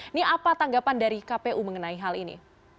ini apa tanggapan dari kpu mengenai hal ini